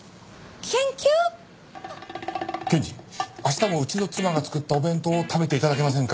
検事明日もうちの妻が作ったお弁当を食べて頂けませんか？